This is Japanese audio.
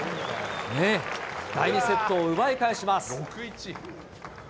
第２セットを奪い返します。